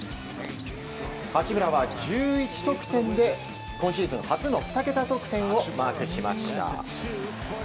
八村は１１得点で今シーズン初の２桁得点をマークしました。